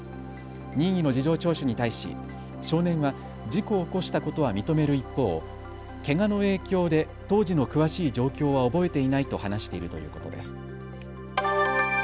任意の事情聴取に対し少年は事故を起こしたことは認める一方、けがの影響で当時の詳しい状況は覚えていないと話しているということです。